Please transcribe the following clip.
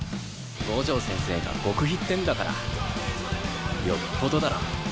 五条先生が極秘ってんだからよっぽどだろ。